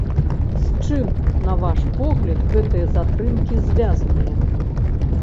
З чым, на ваш погляд, гэтыя затрымкі звязаныя?